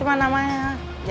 udah bos aja